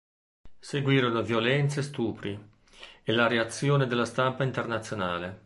Seguirono violenze e stupri, e la reazione della stampa internazionale.